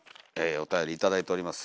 おたより頂いておりますよ。